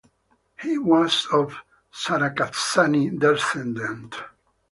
He was of Sarakatsani descent.